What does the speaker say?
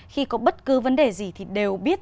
khi có bất cứ vấn đề gì thì đều biết